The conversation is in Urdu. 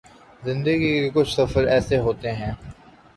زندگی کے کچھ سفر ایسے ہوتے ہیں